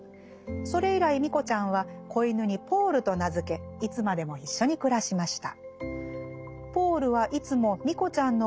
それ以来ミコちゃんは仔犬にポールと名付けいつまでも一緒に暮らしました」。